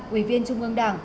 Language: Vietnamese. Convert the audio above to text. quy viên trung ương đảng